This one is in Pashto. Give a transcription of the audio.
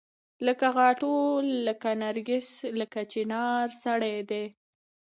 لکه غاټول لکه نرګس لکه چنارسړی دی